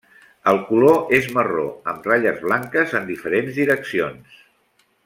El color és marró, amb ratlles blanques en diferents les direccions.